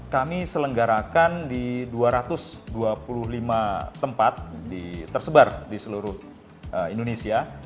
kami selenggarakan di dua ratus dua puluh lima tempat tersebar di seluruh indonesia